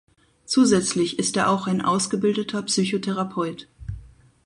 Zusätzlich ist er auch ein ausgebildeter Psychotherapeut.